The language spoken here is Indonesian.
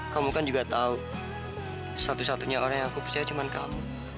kamu kan juga tahu satu satunya orang yang aku percaya cuma kamu